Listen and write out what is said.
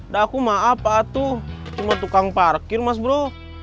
daku maaf pak atuh cuma tukang parkir mas bro